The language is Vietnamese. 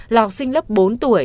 lọc sinh lớp bốn tuổi